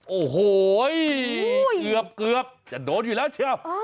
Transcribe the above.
โอ้โหเกือบจะโดนอยู่แล้วเชียว